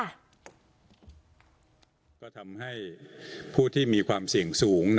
พี่พี่ขอถามให้ผู้ที่มีความเสี่ยงสูง